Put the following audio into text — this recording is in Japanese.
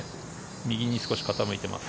右に少し傾いています。